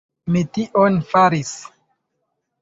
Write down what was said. Mi tion faris!